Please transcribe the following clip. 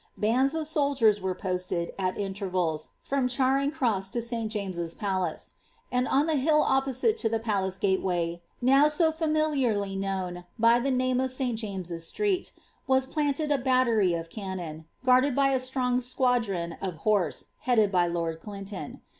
Bands of soldiers were posted, at intervals, from Charing Cross to St. James's Palace ; and on the hill opposite to the palace gate way (now so familiarly known by the name of St. James's Street) was planted a battery of cannon, guarded by a strong squadron of horse, headed by lord Clinton.